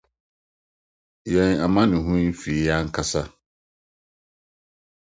Yɛn Amanehunu Fi Yɛn Ankasa